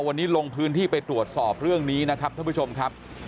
วันนี้ลงพื้นที่ไปตรวจสอบเรื่องนี้นะครับท่านผู้ชมครับ